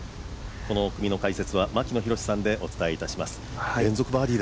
この組の解説は牧野裕さんでお伝えします。